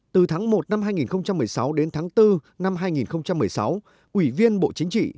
từ tháng một năm hai nghìn một mươi sáu đến tháng bốn năm hai nghìn một mươi sáu ủy viên bộ chính trị